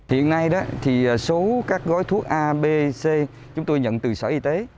hiện nay số các gói thuốc a b c chúng tôi nhận từ sở y tế